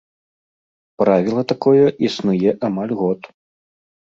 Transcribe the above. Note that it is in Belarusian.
Правіла такое існуе амаль год.